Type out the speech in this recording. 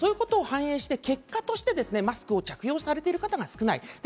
そういうことを反映して結果としてマスクを着用されている方が少ない。